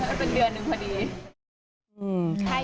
มันเป็นเดือนหนึ่งพอดี